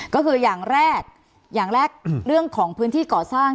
ก็คืออย่างแรกอย่างแรกเรื่องของพื้นที่ก่อสร้าง